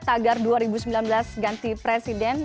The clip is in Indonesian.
tagar dua ribu sembilan belas ganti presiden